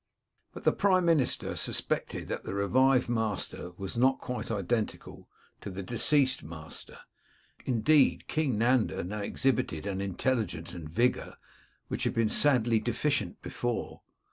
But the prime minister suspected that the revived 243 Curiosities of Olden Times master was not quite identical with the deceased master. Indeed, King Nanda now exhibited an intelligence and vigour which had been sadly deficient before.